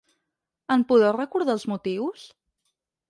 En podeu recordar els motius?